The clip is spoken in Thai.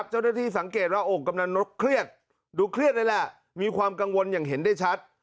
เจ้าหน้าที่สังเกตว่ากำนันต์นกเครียดดูเครียดเลยแหละมีความกังวลอย่างเห็นได้ชัด